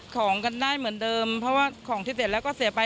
ของกันได้เหมือนเดิมเพราะว่าของที่เสร็จแล้วก็เสียไป